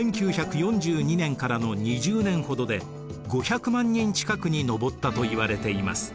１９４２年からの２０年ほどで５００万人近くに上ったといわれています。